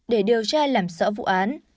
để điều tra làm sỡ vụ án